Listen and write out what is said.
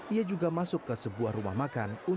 ia juga masuk ke sebuah rumah makan